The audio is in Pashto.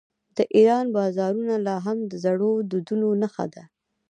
د ایران بازارونه لا هم د زړو دودونو نښه ده.